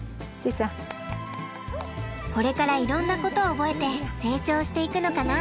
これからいろんなことを覚えて成長していくのかな。